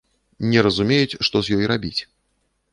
Не разумеюць, што з ёй рабіць.